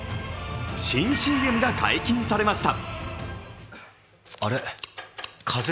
新ＣＭが解禁されました。